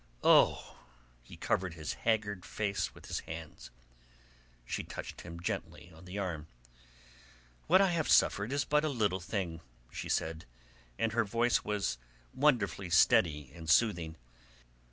Oh!" He covered his haggard face with his hands. She touched him gently on the arm. "What I have suffered is but a little thing," she said, and her voice was wonderfully steady and soothing.